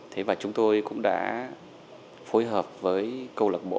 thế và chúng tôi cũng đã phối hợp với câu lạc bộ